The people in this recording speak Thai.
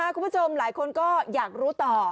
คุณผู้ชมหลายคนก็อยากรู้ต่อ